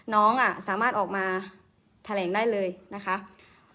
น้องอ่ะสามารถออกมาแถลงได้เลยนะคะน้องบอกว่าแล้วแต่พี่เลยครับ